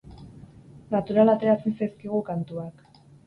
Natural ateratzen zaizkigu kantuak.